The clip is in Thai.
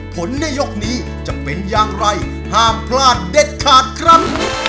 ผลในยกนี้จะเป็นอย่างไรห้ามพลาดเด็ดขาดครับ